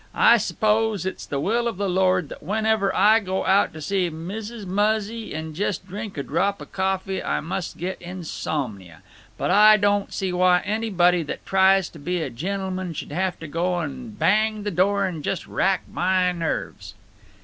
Ah suppose it's the will of the Lord that whenever Ah go out to see Mrs. Muzzy and just drink a drop of coffee Ah must get insomina, but Ah don't see why anybody that tries to be a gennulman should have to go and bang the door and just rack mah nerves."